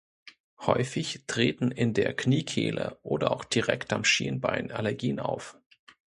Häufig treten in der Kniekehle oder auch direkt am Schienbein Allergien auf.